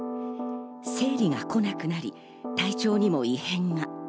生理が来なくなり、体調にも異変が。